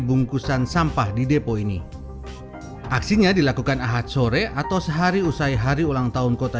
bungkusan sampah di depo ini aksinya dilakukan ahad sore atau sehari usai hari ulang tahun kota